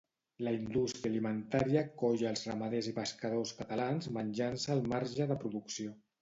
La indústria alimentària colla els ramaders i pescadors catalans menjant-se el marge de producció.